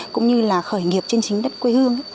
cũng như là khởi nghiệp trên chính đất quê hương